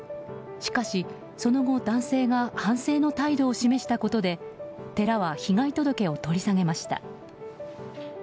しかしその後、男性が反省の態度を示したことで寺は被害届を取り下げました。